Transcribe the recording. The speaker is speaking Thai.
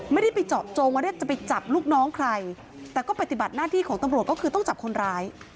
ไม่ได้ไปเจาะจงว่าจะไปจับลูกน้องใครแต่ก็ปฏิบัติหน้าที่ของตำรวจก็คือต้องจับคนร้าย